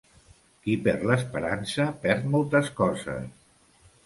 Qui perd l'esperança, perd moltes coses.